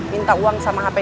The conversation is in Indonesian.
minta uang sama hp